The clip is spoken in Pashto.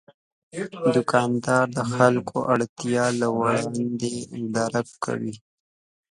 دوکاندار د خلکو اړتیا له وړاندې درک کوي.